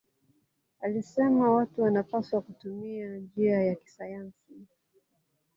Alisema watu wanapaswa kutumia njia ya kisayansi.